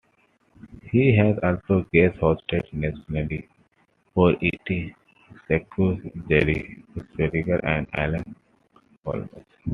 He has also guest hosted nationally for Ed Schultz, Jerry Springer, and Alan Colmes.